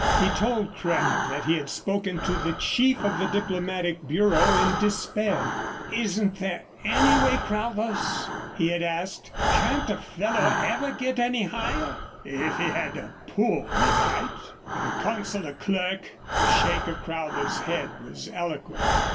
He told Crabb that he had spoken to the chief of the diplomatic bureau in despair. "Isn't there any way, Crowthers?" he had asked. "Can't a fellow ever get any higher?" "If he had a pull, he might but a consular clerk " The shake of Crowthers' head was eloquent.